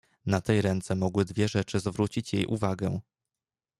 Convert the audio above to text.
"Na tej ręce mogły dwie rzeczy zwrócić jej uwagę."